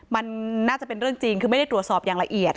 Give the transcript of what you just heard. มันน่าจะเป็นเรื่องจริงคือไม่ได้ตรวจสอบอย่างละเอียด